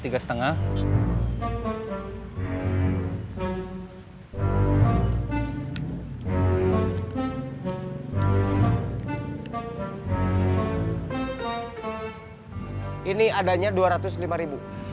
ini adanya dua ratus lima ribu